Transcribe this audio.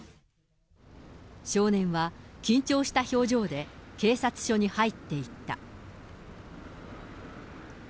少年は緊張した表情で、警察署に入っていった。